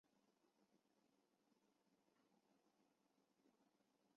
泰国和中国在中国的帝制时期便已经建立朝贡关系。